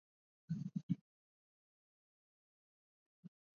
Hatua ya Saudi Arabia dhidi ya kuwanyonga washia